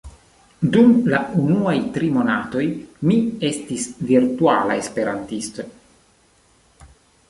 dum la unuaj tri monatoj mi estis virtuala esperantisto